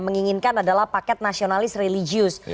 menginginkan adalah paket nasionalis religius